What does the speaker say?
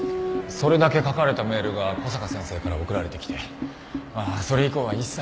それだけ書かれたメールが小坂先生から送られてきてそれ以降は一切。